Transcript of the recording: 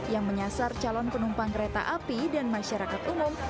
yang menyasar calon penumpang kereta api dan masyarakat umum